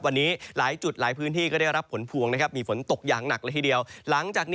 วันนี้หลายจุดหลายพื้นที่ก็ได้รับผลพวงนะครับ